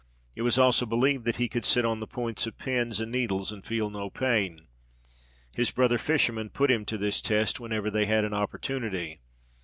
It was also believed that he could sit on the points of pins and needles and feel no pain. His brother fishermen put him to this test whenever they had an opportunity.